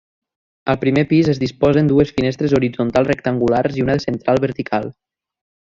Al primer pis es disposen dues finestres horitzontals rectangulars i una central vertical.